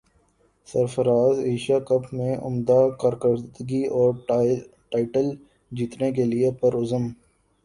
سرفراز Asia cup میں عمدہ کارکردگی اور ٹائٹل جیتنے کیلئے پرعزم